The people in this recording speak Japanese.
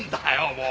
もう。